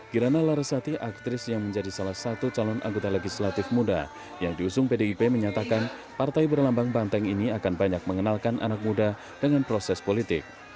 kirana larasati aktris yang menjadi salah satu calon anggota legislatif muda yang diusung pdip menyatakan partai berlambang banteng ini akan banyak mengenalkan anak muda dengan proses politik